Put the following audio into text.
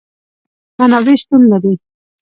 منابع شتون لري